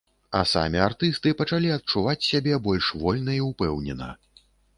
А самі артысты пачалі адчуваць сябе больш вольна і ўпэўнена.